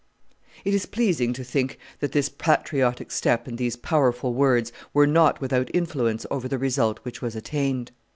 It is pleasing to think that this patriotic step and these powerful words were not without influence over the result which was attained.